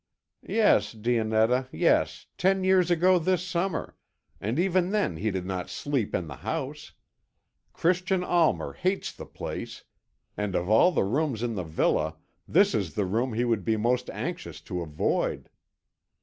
"Yes, Dionetta, yes, ten years ago this summer, and even then he did not sleep in the house. Christian Almer hates the place, and of all the rooms in the villa, this is the room he would be most anxious to avoid."